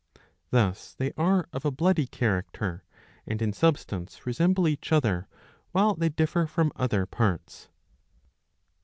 ^^ Thus they are of a bloody character, and in substance resemble each other while they differ from other parts.